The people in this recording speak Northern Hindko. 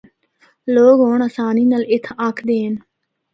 لوگ ہونڑ آسانی نال اِتھا آ ہکدے ہن۔